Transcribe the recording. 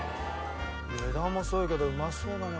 値段もすごいけどうまそうだな